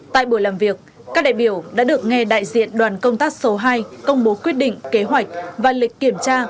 tại buổi làm việc các đại biểu đã được nghe đại diện đoàn công tác số hai công bố quyết định kế hoạch và lịch kiểm tra